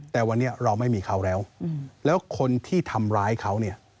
แต่วันนี้เราไม่มีเขาแล้วแล้วคนที่ทำร้ายเขาเนี่ย